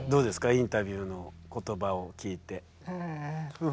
インタビューの言葉を聞いて。